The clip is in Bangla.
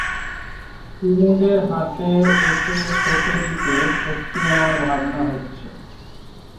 কুমুদের হাতে ওকে সঁপে দিতে সত্যি আমার ভাবনা হচ্ছে।